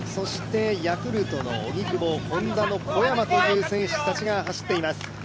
ヤクルトの荻久保、Ｈｏｎｄａの小山という選手たちが走っています。